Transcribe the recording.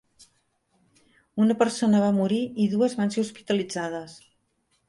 Una persona va morir i dues van ser hospitalitzades.